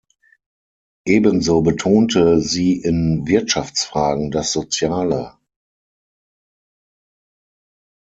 Ebenso betonte sie in Wirtschaftsfragen das Soziale.